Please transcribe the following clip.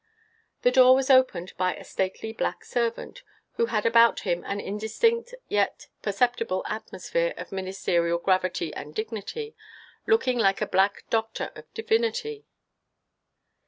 The door was opened by a stately black servant, who had about him an indistinct and yet perceptible atmosphere of ministerial gravity and dignity, looking like a black doctor of divinity.